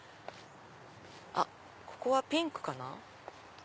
ここはピンクかな。